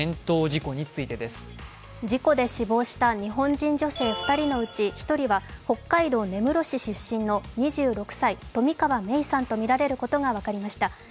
事故で死亡した日本人女性２人のうち１人は北海道根室市出身の２６歳冨川芽生さんとみられることが分かりました。